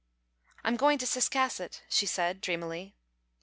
"I'm going to Ciscasset," she said, dreamily.